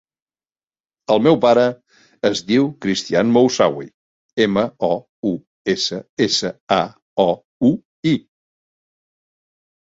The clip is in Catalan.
El meu pare es diu Cristián Moussaoui: ema, o, u, essa, essa, a, o, u, i.